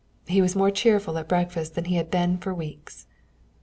He was more cheerful at breakfast than he had been for weeks.